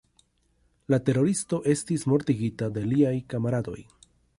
La teroristo estis mortigita de liaj kamaradoj.